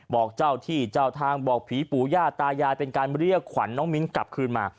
บอกเจ้าที่เจ้าทางบอกผีปู่ย่าตายายเป็นการเรียกขวัญน้องมิ้นกลับคืนมา